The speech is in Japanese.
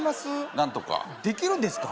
何とかできるんですか？